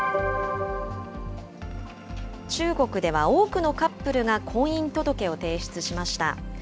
中国では多くのカップルが婚姻届を提出しました。